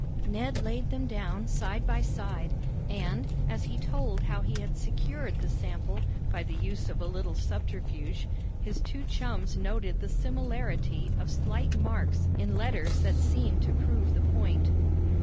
Ned laid them down side by side, and, as he told how he had secured the sample by the use of a little subterfuge, his two chums noted the similarity of slight marks in letters that seemed to prove the point.